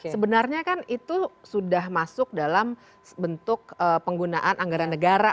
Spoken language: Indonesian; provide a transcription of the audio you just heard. sebenarnya kan itu sudah masuk dalam bentuk penggunaan anggaran negara